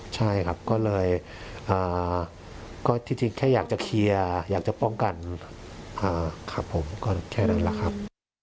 ใช่ครับก็เลยก็จริงแค่อยากจะเคลียร์อยากจะป้องกันครับผมก็แค่นั้นแหละครับ